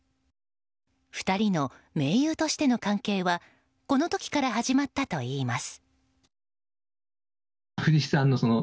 ２人の盟友としての関係はこの時から始まったといいます。